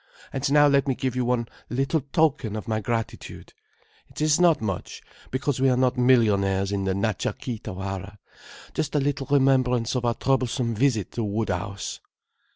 And now let me give you one little token of my gratitude. It is not much, because we are not millionaires in the Natcha Kee Tawara. Just a little remembrance of our troublesome visit to Woodhouse."